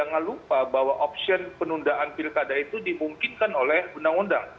jangan lupa bahwa opsion penundaan pilkada itu dimungkinkan oleh undang undang